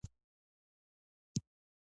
استاد بینوا د خلکو بیداری ته قلم پورته کړ.